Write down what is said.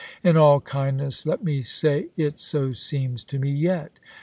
In all kindness let me say it so seems to me yet.